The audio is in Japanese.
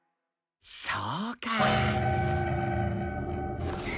そうか。